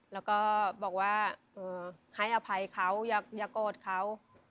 แล้วก็บอกว่าให้อภัยเขาอย่าโกรธเขา